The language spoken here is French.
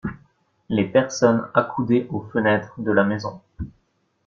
Les personnes accoudées aux fenêtres de la maison.